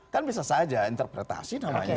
kan bisa saja interpretasi namanya